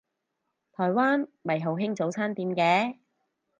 台灣咪好興早餐店嘅